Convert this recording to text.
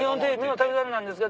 「『旅猿』なんですけど」